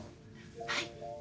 はい。